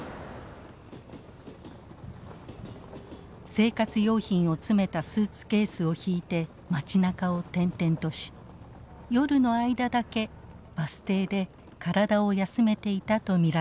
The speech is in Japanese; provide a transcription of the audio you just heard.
生活用品を詰めたスーツケースをひいて街なかを転々とし夜の間だけバス停で体を休めていたと見られています。